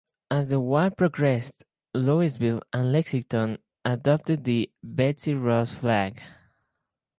As the war progressed, Louisville and Lexington adopted the "Betsy Ross flag".